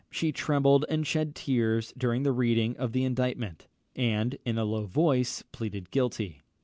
She trembled and shed tears during the reading of the indictment, and, in a low voice, pleaded guilty.